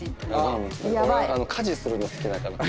俺は家事するの好きだから。